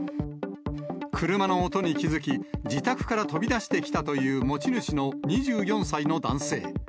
車の音に気付き、自宅から飛び出してきたという持ち主の２４歳の男性。